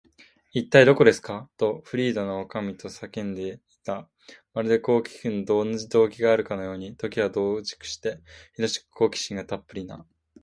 「いったい、どこですか？」と、フリーダとおかみとが叫んだ。まるで、こうきくのには同じ動機があるかのように、時を同じくして、ひどく好奇心たっぷりな